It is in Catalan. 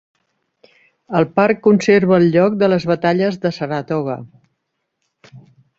El parc conserva el lloc de les Batalles de Saratoga.